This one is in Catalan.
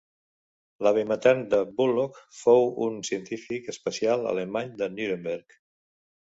L'avi matern de Bullock fou un científic espacial alemany de Nuremberg.